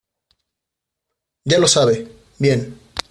ya lo sabe. bien .